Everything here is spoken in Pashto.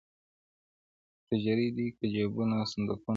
تجرۍ دي که جېبونه صندوقونه-